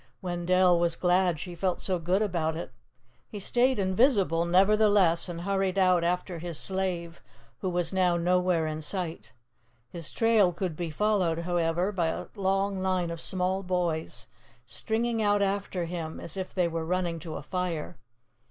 Wendell was glad she felt so good about it. He stayed invisible, never the less, and hurried out after his slave, who was now nowhere in sight. His trail could be followed, however, by a long line of small boys, stringing out after him as if they were running to a fire.